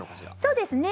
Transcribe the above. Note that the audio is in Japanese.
そうですね。